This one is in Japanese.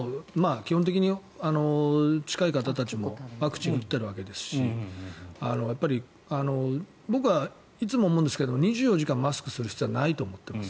基本的に近い方たちもワクチンを打っているわけですし僕はいつも思うんですけど２４時間マスクする必要はないと思ってます。